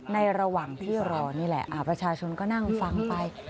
ระหว่างที่รอนี่แหละประชาชนก็นั่งฟังไป